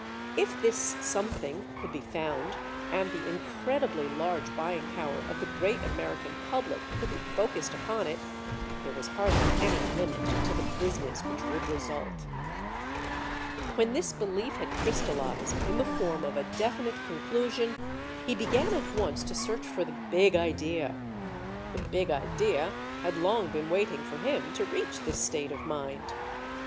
If this something could be found, and the incredibly large buying power of the great American public could be focused upon it, there was hardly any limit to the business which would result. When this belief had crystallized in the form of a definite conclusion, he began at once to search for the "big idea." The "big idea" had long been waiting for him to reach this state of mind.